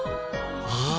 ああ